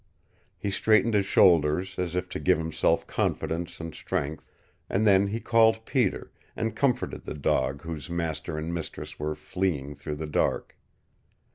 He straightened his shoulders, as if to give himself confidence and strength, and then he called Peter, and comforted the dog whose master and mistress were fleeing through the dark.